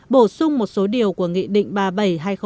bổ sung một số điều của nghị định ba